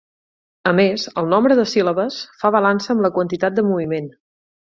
A més, el nombre de síl·labes fa balança amb la quantitat de moviment.